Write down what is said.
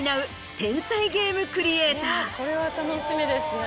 これは楽しみですね。